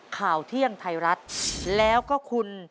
ข่าวเที่ยงไทยรัฐแล้วก็คุณ